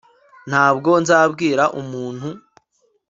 ntabwo nzabwira umuntu